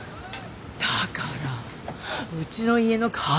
だからうちの家の鍵が。